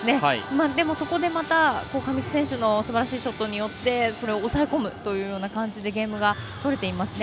でも、そこでまた上地選手のすばらしいショットによってそれを押さえ込むという感じでゲームが取れていますね。